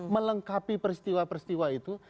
melengkapi peristiwa peristiwa itu